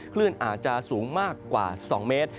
คลื่นอาจจะสูงมากกว่า๒เมตร